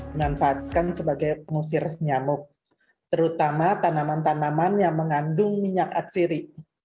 dimanfaatkan sebagai pengusir nyamuk terutama tanaman tanaman yang mengandung minyak atsiri